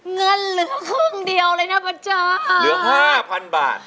เงินเหลือครึ่งเดียวเลยนะคะจ้าอะหลือ๕๐๐๐บาท